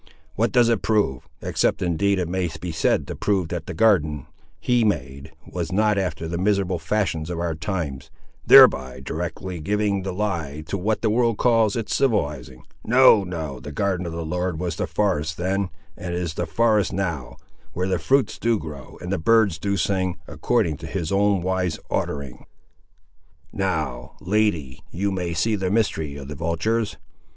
What does it prove, except indeed it may be said to prove that the garden He made was not after the miserable fashions of our times, thereby directly giving the lie to what the world calls its civilising? No, no, the garden of the Lord was the forest then, and is the forest now, where the fruits do grow, and the birds do sing, according to his own wise ordering. Now, lady, you may see the mystery of the vultures!